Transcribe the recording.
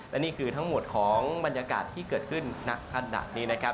และนี่คือทั้งหมดของบรรยากาศที่เกิดขึ้นณขณะนี้นะครับ